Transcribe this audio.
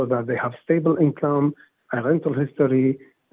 dan mereka harus menunjukkan bahwa mereka memiliki pendapatan stabil